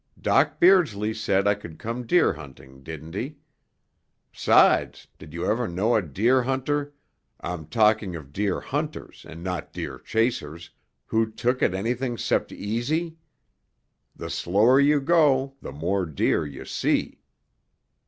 Doc Beardsley said I could come deer hunting, didn't he? 'Sides, did you ever know a deer hunter I'm talking of deer hunters and not deer chasers who took it anything 'cept easy? The slower you go, the more deer you see."